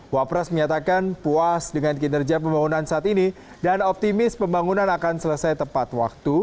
wapres menyatakan puas dengan kinerja pembangunan saat ini dan optimis pembangunan akan selesai tepat waktu